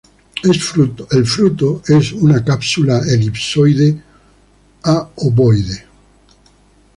Es fruto es una cápsula elipsoide a obovoide.